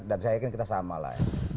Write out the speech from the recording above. dan saya yakin kita sama lah ya